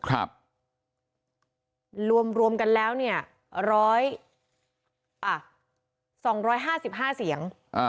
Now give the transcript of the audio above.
รวมกันแล้วเนี่ย๑๒๕๕เสียง